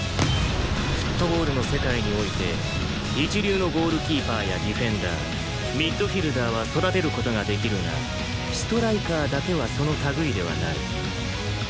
フットボールの世界において一流のゴールキーパーやディフェンダーミッドフィールダーは育てる事ができるがストライカーだけはその類いではない